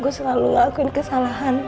gue selalu ngelakuin kesalahan